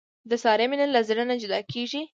د سارې مینه له زړه نه جدا کېږي.